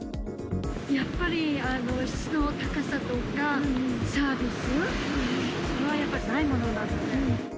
やっぱり質の高さとかサービス、それはやっぱりないもので。